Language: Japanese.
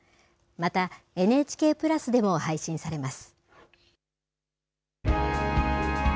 また、ＮＨＫプラスでも配信されます。